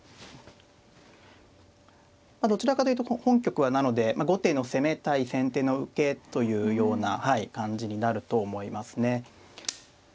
まあどちらかというと本局は後手の攻め対先手の受けというような感じになると思いますね。